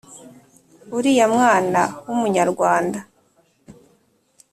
uriya mwana w'umunyarwanda."